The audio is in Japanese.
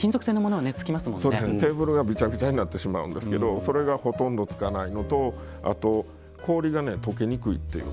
テーブルがびちゃびちゃになってしまうんですけどそれが、ほとんどつかないのと氷がとけにくいっていう。